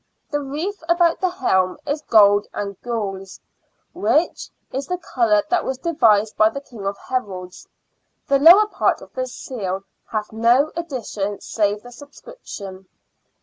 The wreath about the helm is gold and gules, which is the colour that was devised by the King of Heralds. The lower part of the seal hath no addition, save the subscription."